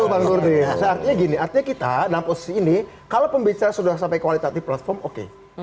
sebenarnya gini artinya kita dalam posisi ini kalau pembicara sudah sampai kualitatif platform oke